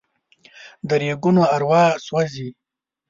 د ریګونو اروا سوزي